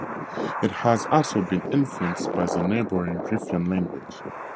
It has also been influenced by the neighboring Riffian language.